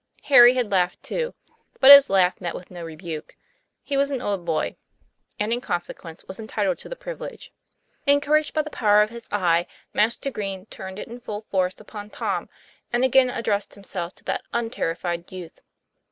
Harry had laughed too; but his laugh met with no rebuke ; he was an old boy, and in consequence was entitled to the privilege. Encouraged by the power of his eye, Master Green TOM PL A YFAIR. 5 1 turned it in full force upon Tom, and again addressed himself to that unterrified youth.